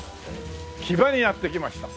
木場にやって来ました。